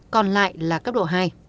còn lại là cấp độ hai